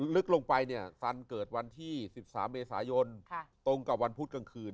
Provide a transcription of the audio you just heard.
ลึกลงไปเนี่ยสันเกิดวันที่๑๓เมษายนตรงกับวันพุธกลางคืน